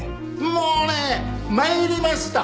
もうね参りました！